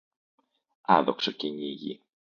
Άδοξο κυνήγι